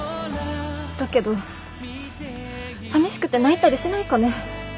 だけどさみしくて泣いたりしないかね。